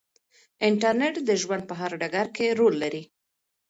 انټرنیټ د ژوند په هر ډګر کې رول لري.